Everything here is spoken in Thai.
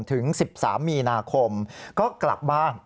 ถึง๑๓มีนาคมก็กลับบ้าน